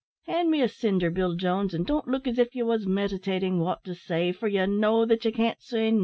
Hand me a cinder, Bill Jones, an' don't look as if ye wos meditatin' wot to say, for ye know that ye can't say nothin'."